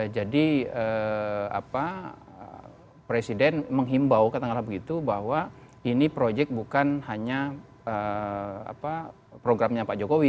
jadi presiden menghimbau ketengah tengah begitu bahwa ini proyek bukan hanya programnya pak jokowi